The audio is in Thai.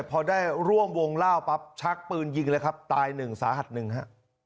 พอได้ร่วมวงเล่าปั๊บชักปืนยิงเลยครับตายหนึ่งสาหัสหนึ่งฮะ